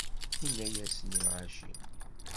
Yenna-yasen i lɣaci.